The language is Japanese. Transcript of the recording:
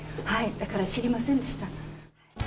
だから知りませんでした。